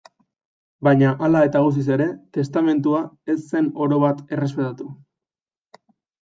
Baina hala eta guztiz ere, testamentua ez zen orobat errespetatu.